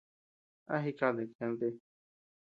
¿A jikadid kiana ti?